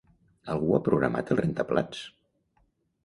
Algú ha programat el rentaplats?